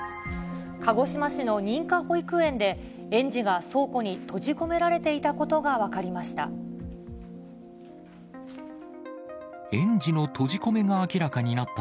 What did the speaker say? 鹿児島市の認可保育園で、園児が倉庫に閉じ込められていたことが分かりました。